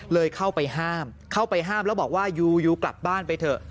เข้าไปห้ามเข้าไปห้ามแล้วบอกว่ายูยูกลับบ้านไปเถอะ